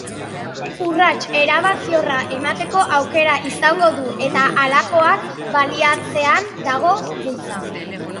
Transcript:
Urrats erabakiorra emateko aukera izango du eta halakoak baliatzean dago giltza.